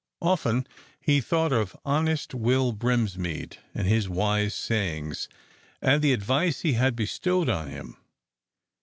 Often he thought of honest Will Brinsmead and his wise sayings, and the advice he had bestowed on him.